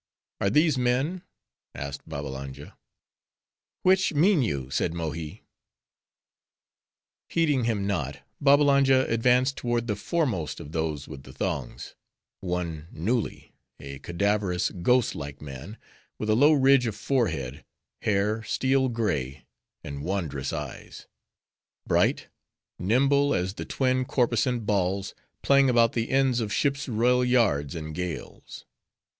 "Are these men?" asked Babbalanja. "Which mean you?" said Mohi. Heeding him not, Babbalanja advanced toward the fore most of those with the thongs,—one Nulli: a cadaverous, ghost like man; with a low ridge of forehead; hair, steel gray; and wondrous eyes;—bright, nimble, as the twin Corposant balls, playing about the ends of ships' royal yards in gales.